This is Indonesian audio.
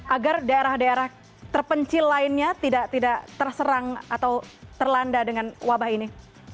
agar daerah daerah terpencil lainnya tidak terserang atau terlanda dengan wabah ini